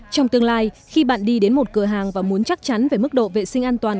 trong tương lai khi bạn đi đến một cửa hàng và muốn chắc chắn về mức độ vệ sinh an toàn